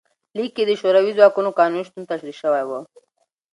لیک کې د شوروي ځواکونو قانوني شتون تشریح شوی و.